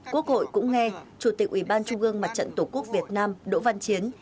quốc hội cũng nghe chủ tịch ủy ban trung ương mặt trận tổ quốc việt nam đỗ văn chiến